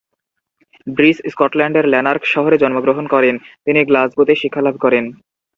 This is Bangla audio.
ব্রিস স্কটল্যান্ডের ল্যানার্ক শহরে জন্মগ্রহণ করেন। তিনি গ্লাসগোতে শিক্ষা লাভ করেন।